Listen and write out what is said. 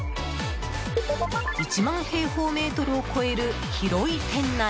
１万平方メートルを超える広い店内。